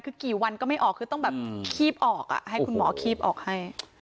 คือกี่วันก็ไม่ออกคือต้องแบบคีบออกให้คุณหมอคีบออกให้